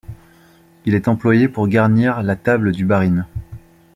Il est employé pour garnir la table du Barine.